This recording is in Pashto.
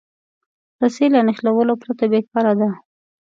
رسۍ له نښلولو پرته بېکاره ده.